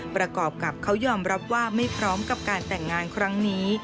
ประกอบกับเขายอมรับว่าไม่พร้อมกับการแต่งงานครั้งนี้